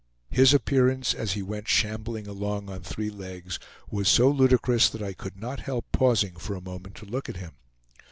His appearance, as he went shambling along on three legs, was so ludicrous that I could not help pausing for a moment to look at him.